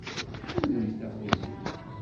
Kemmlemt taɣuzi.